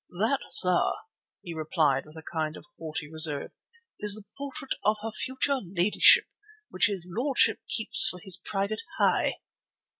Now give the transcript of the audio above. "That, sir," he replied with a kind of haughty reserve, "is the portrait of her future ladyship, which his lordship keeps for his private heye."